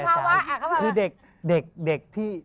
ยอมรับเถอะ